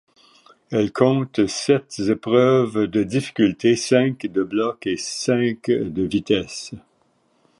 Elle compte sept épreuves de difficulté, cinq de bloc et cinq de vitesse.